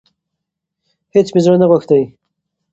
هيڅ مي زړه نه غوښتی .